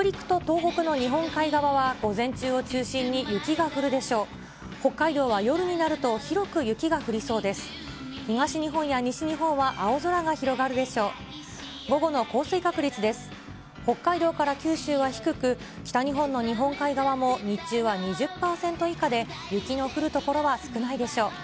北海道から九州は低く、北日本の日本海側も日中は２０％以下で、雪の降る所は少ないでしょう。